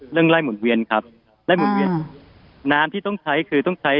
เรื่องไล่หมุนเวียนครับไล่หมุนเวียนน้ำที่ต้องใช้